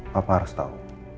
papa harus tau